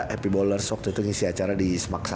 happy bowler soks itu ngisi acara di smac satu